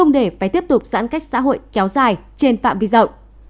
để phải tiếp tục giãn cách xã hội kéo dài trên phạm vi rộng